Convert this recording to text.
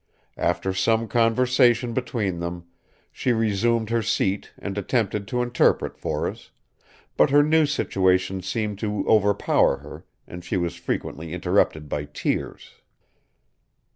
After some conversation between them, she resumed her seat and attempted to interpret for us; but her new situation seemed to overpower her, and she was frequently interrupted by tears."